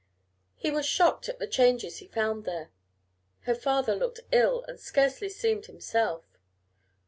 He was shocked at the changes he found there. Her father looked ill and scarcely seemed himself.